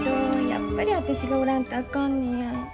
やっぱり私がおらんとあかんのや。